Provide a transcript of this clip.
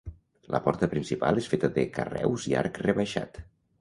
La porta principal és feta de carreus i arc rebaixat.